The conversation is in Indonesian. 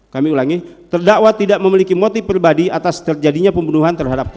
kami ulangi terdakwa tidak memiliki motif pribadi atas terjadinya pembunuhan terhadap korban